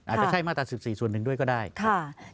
อาจจะใช่มาตราสิบสี่ส่วนนึงด้วยก็ได้ครับครับทำไมถ้าบอกสมเกต